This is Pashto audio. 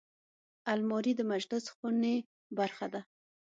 الماري د مجلس خونې برخه ده